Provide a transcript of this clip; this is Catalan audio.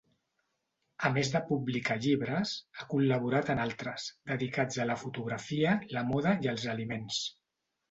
A més de publicar llibres, ha col·laborat en altres, dedicats a la fotografia, la moda i els aliments.